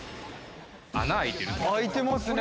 穴開いてる。